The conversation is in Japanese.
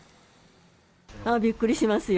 びっくりしますよ。